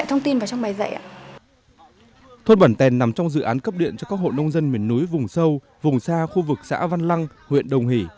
thôn bản tèn nằm trong dự án cấp điện cho các hộ nông dân miền núi vùng sâu vùng xa khu vực xã văn lăng huyện đồng hỷ